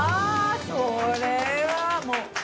それはもう。